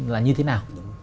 là như thế nào